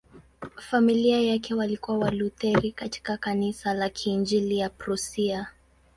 Familia yake walikuwa Walutheri katika Kanisa la Kiinjili la Prussia.